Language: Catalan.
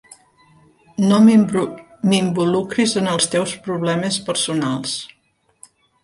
No m'involucris en els teus problemes personals.